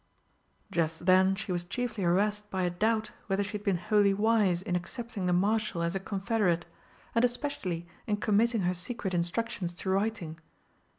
Just then she was chiefly harassed by a doubt whether she had been wholly wise in accepting the Marshal as a confederate, and especially in committing her secret instructions to writing.